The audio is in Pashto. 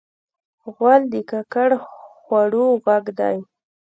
غول د ککړ خوړو غږ دی.